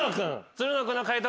つるの君の解答